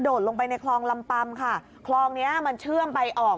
ลงไปในคลองลำปำค่ะคลองเนี้ยมันเชื่อมไปออก